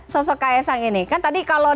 sosok ksang ini kan tadi kalau